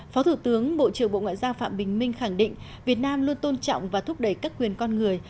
phó thủ tướng bộ trưởng bộ ngoại giao phạm bình minh khẳng định việt nam luôn tôn trọng và thúc đẩy các quyền con người